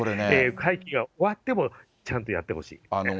会期が終わっても、ちゃんとやってほしい。